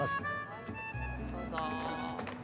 はいどうぞ。